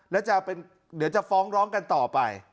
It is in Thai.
แล้วเดี๋ยวจะฟ้องร้องกันต่อไป